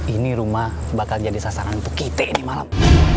ini rumah bakal jadi sasaran untuk kita ini malam